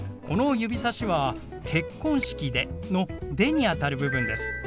この指さしは「結婚式で」の「で」にあたる部分です。